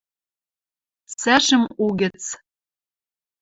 Цӓшӹм угӹц